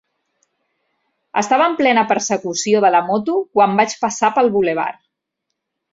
Estava en plena persecució de la moto quan vaig passar pel bulevard.